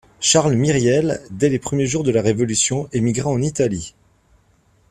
Charles Myriel, dès les premiers jours de la révolution, émigra en Italie